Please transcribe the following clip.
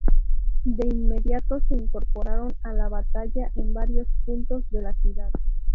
De inmediato se incorporaron a la batalla en varios puntos de la ciudad.